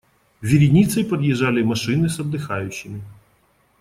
Вереницей подъезжали машины с отдыхающими.